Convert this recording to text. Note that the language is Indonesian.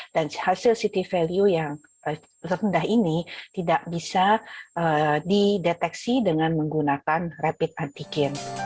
dan hasil city value yang rendah ini tidak bisa dideteksi dengan menggunakan rapid antigen